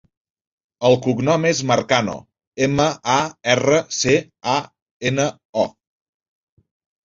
El cognom és Marcano: ema, a, erra, ce, a, ena, o.